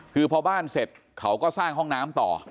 คือพอบ้านเสร็จเขาก็สร้างห้องน้ำต่อ